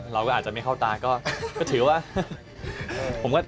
เราก็อาจจะไม่เข้าตาก็ถือว่า